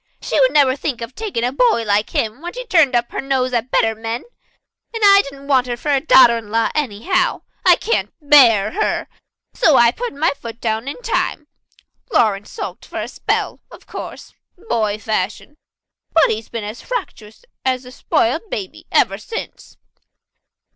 "She would never think of taking a boy like him when she'd turned up her nose at better men. And I didn't want her for a daughter in law anyhow. I can't bear her. So I put my foot down in time. Lawrence sulked for a spell, of course boy fashion and he's been as fractious as a spoiled baby ever since."